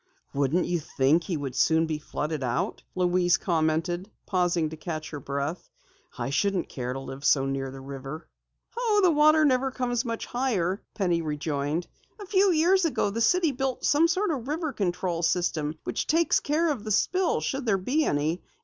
"Wouldn't you think he would soon be flooded out?" Louise commented, pausing to catch her breath. "I shouldn't care to live so near the river." "Oh, the water never comes much higher," Penny rejoined. "A few years ago the city built some sort of river control system which takes care of the spill should there be any.